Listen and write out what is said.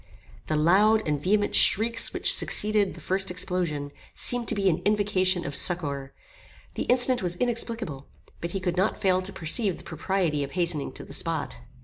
The loud and vehement shrieks which succeeded the first explosion, seemed to be an invocation of succour. The incident was inexplicable; but he could not fail to perceive the propriety of hastening to the spot.